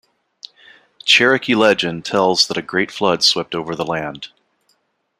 Cherokee legend tells that a great flood swept over the land.